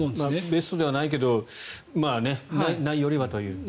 ベストではないけどないよりはという。